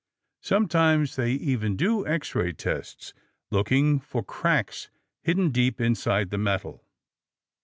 Sometimes they even do X ray tests, looking for cracks hidden deep inside the metal!